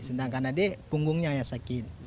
sedangkan adik punggungnya ya sakit